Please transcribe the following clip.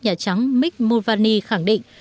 nhà trắng mick mulvaney khẳng định